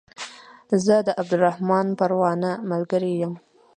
زه د عبدالرحمن پروانه ملګری يم